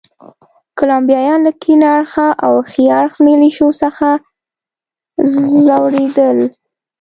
کولمبیایان له کیڼ اړخه او ښي اړخه ملېشو څخه ځورېدل.